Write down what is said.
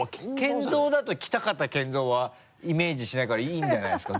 「けんぞう」だと北方謙三はイメージしないからいいんじゃないですか？